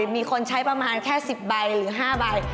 มีคนใช้ประมาณแค่๑๐ใบหรือ๕ใบ